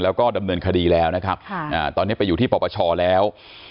แล้วก็ดำเนินคดีแล้วนะครับตอนนี้ไปอยู่ที่ปปชแล้ว